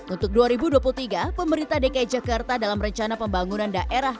untuk dua ribu dua puluh tiga pemerintah dki jakarta dalam rencana pembangunan daerah